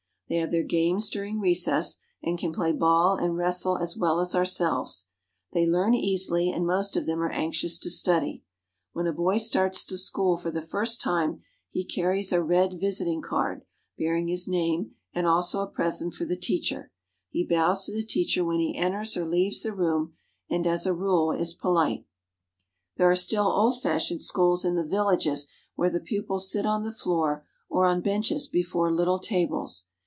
They have their games during recess and can play ball and wrestle as well as ourselves. They learn easily, and most of them are anxious to study. When a boy starts to school for the first time he carries a red visiting card, bearing his name, and also a present for the teacher. Hii t»^^J>^g¥tt»tl] He bows to the teacher when he en Tne Chinese Counting ters or leaves the room, and as a rule ^°^ is polite. There are still old fashioned schools in the villages where the pupils sit on the floor or on benches before little tables.